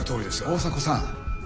大迫さん。